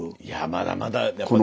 いやまだまだ。